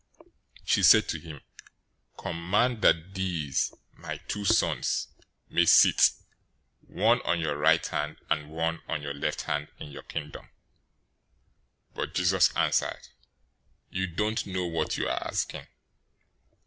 She said to him, "Command that these, my two sons, may sit, one on your right hand, and one on your left hand, in your Kingdom." 020:022 But Jesus answered, "You don't know what you are asking.